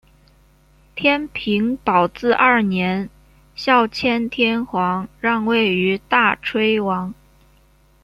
天平宝字二年孝谦天皇让位于大炊王。